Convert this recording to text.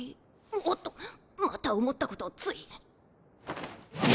おっとまた思ったことをつい。